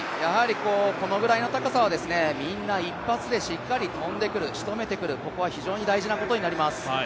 このぐらいの高さはみんな一発で跳んでくる、しとめてくる、ここは非常に大事なところになります。